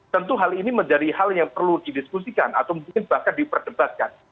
tentu hal ini menjadi hal yang perlu didiskusikan atau mungkin bahkan diperdebatkan